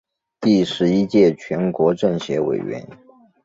第十一届全国政协委员。